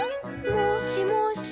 「もしもし？